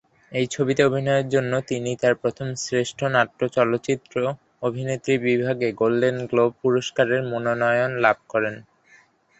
এই ছবিতে অভিনয়ের জন্য তিনি তার প্রথম শ্রেষ্ঠ নাট্য চলচ্চিত্র অভিনেত্রী বিভাগে গোল্ডেন গ্লোব পুরস্কারের মনোনয়ন লাভ করেন।